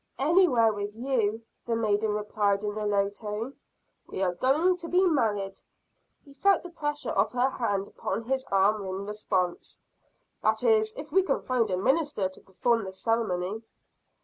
"Anywhere, with you!" the maiden replied in a low tone. "We are going to be married." He felt the pressure of her hand upon his arm in response. "That is, if we can find a minister to perform the ceremony."